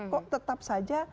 kok tetap saja